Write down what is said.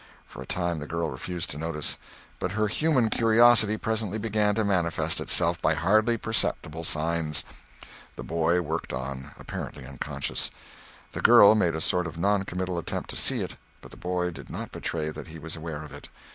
For a time the girl refused to notice; but her human curiosity presently began to manifest itself by hardly perceptible signs. The boy worked on, apparently unconscious. The girl made a sort of non committal attempt to see, but the boy did not betray that he was aware of it.